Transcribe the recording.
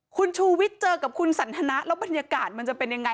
คุณชูวิทย์เจอกับคุณสันทนะแล้วบรรยากาศมันจะเป็นยังไง